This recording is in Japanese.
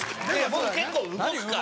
僕結構動くから。